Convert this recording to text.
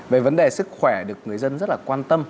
về vấn đề sức khỏe được người dân rất là quan tâm